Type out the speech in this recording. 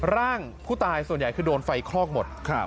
ร่างผู้ตายส่วนใหญ่คือโดนไฟคลอกหมด